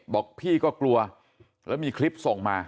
บอกพี่ก็กลัวแล้วมีคลิปส่งมา